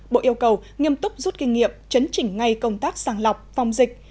bộ yêu cầu nghiêm túc rút kinh nghiệm chấn chỉnh ngay công tác sàng lọc phòng dịch